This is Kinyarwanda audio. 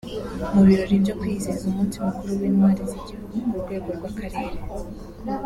mu birori byo kwizihiza umunsi mukuru w’intwari z’igihugu ku rwego rw’akarere